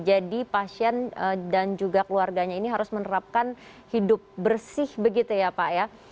jadi pasien dan juga keluarganya ini harus menerapkan hidup bersih begitu ya pak ya